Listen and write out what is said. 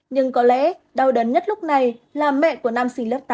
nhưng có lẽ đau đớn nhất lúc này là mẹ của nam sinh lớp tám